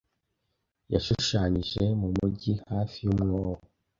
Yashushanyije mumujyi hafi yu mwobo